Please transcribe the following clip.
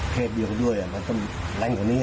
เทตเยอะอีกด้วยเนี่ยมันก็แรงกว่านี้